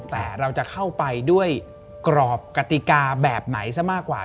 แต่เราจะเข้าไปด้วยกรอบกติกาแบบไหนซะมากกว่า